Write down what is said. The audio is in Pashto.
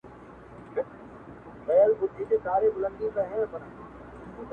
خپله دا مي خپله ده، د بل دا هم را خپله کې.